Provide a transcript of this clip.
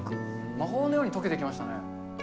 魔法のように溶けていきましたね。